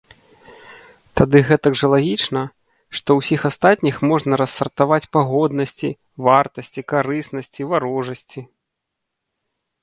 Тады гэтак жа лагічна, што ўсіх астатніх можна рассартаваць па годнасці, вартасці, карыснасці, варожасці.